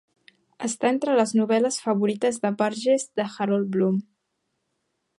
Està entre les novel·les favorites de Burgess de Harold Bloom.